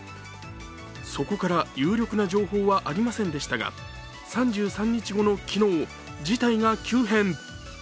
そこから有力な情報はありませんでしたが、３３日後の昨日、事態が急変。